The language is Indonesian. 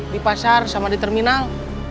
di pasar sama di terminal